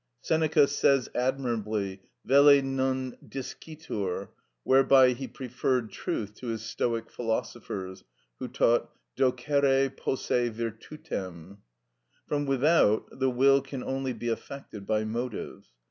Seneca says admirably, velle non discitur; whereby he preferred truth to his Stoic philosophers, who taught διδακτην ειναι την αρετην (doceri posse virtutem). From without the will can only be affected by motives.